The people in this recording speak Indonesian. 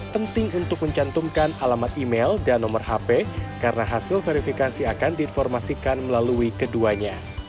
penting untuk mencantumkan alamat email dan nomor hp karena hasil verifikasi akan diinformasikan melalui keduanya